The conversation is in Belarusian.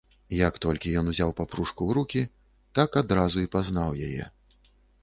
Як толькі ён узяў папружку ў рукі, так адразу і пазнаў яе.